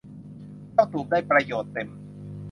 เจ้าตูบได้ประโยชน์เต็ม